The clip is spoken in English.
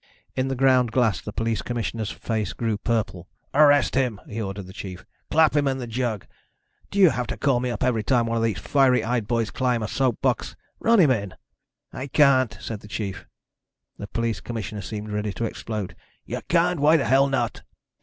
In the ground glass the police commissioner's face grew purple. "Arrest him," he ordered the chief. "Clap him in the jug. Do you have to call me up every time one of those fiery eyed boys climbs a soap box? Run him in." "I can't," said the chief. The police commissioner seemed ready to explode. "You can't? Why the hell not?"